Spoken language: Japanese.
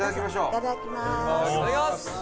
いただきます！